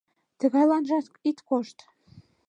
Тыгайланжак ит кошт.